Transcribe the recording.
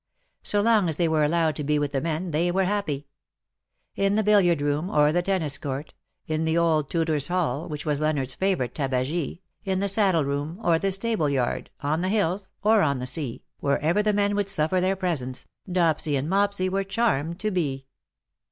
So long as they were allowed to be with the men they were happy. In the billiard room, or the tennis court, in the old Tudor hall, which was Leonardos favourite tahagie, in the saddle room, or the stable yard, on the hills, or on the sea, wherever the men would suffer their presence, Dopsy and Mopsy were charmed to be.